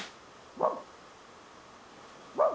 ワン！